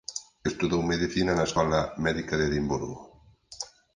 Estudou medicina na Escola Médica de Edimburgo.